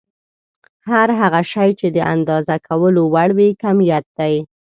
هر هغه شی چې د اندازه کولو وړ وي کميت دی.